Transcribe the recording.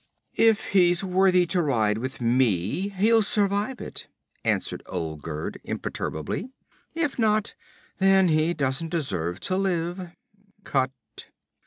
'If he's worthy to ride with me he'll survive it,' answered Olgerd imperturbably. 'If not, then he doesn't deserve to live. Cut!'